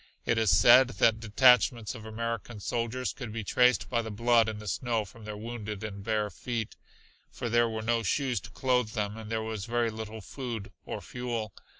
It is said that detachments of American soldiers could be traced by the blood in the snow from their wounded and bare feet, for there were no shoes to clothe them with and there was very little food or fuel.